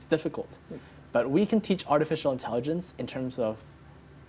tapi kami dapat mengajari kecerdasan artifisial dalam hal hal sederhana